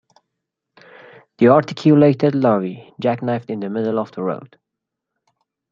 The articulated lorry jackknifed in the middle of the road